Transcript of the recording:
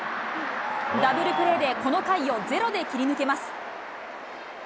ダブルプレーで、この回をゼロで切り抜けます。